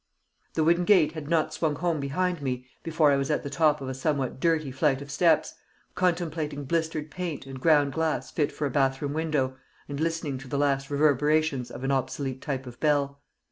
The wooden gate had not swung home behind me before I was at the top of a somewhat dirty flight of steps, contemplating blistered paint and ground glass fit for a bathroom window, and listening to the last reverberations of an obsolete type of bell.